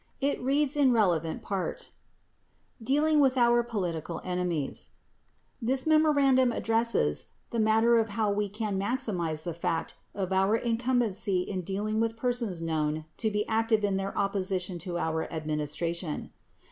45 It reads in relevant part : Dealing with our Political Enemies This memorandum addresses the matter of how we can maximize the fact of our incumbency in dealing with persons known to be active in their opposition to our Administration.